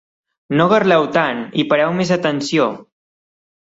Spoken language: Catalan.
No garleu tant i pareu més atenció!